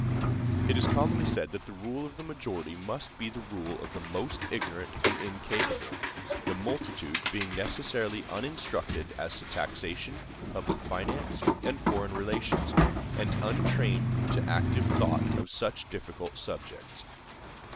It is commonly said that the rule of the majority must be the rule of the most ignorant and incapable, the multitude being necessarily uninstructed as to taxation, public finance, and foreign relations, and untrained to active thought on such difficult subjects.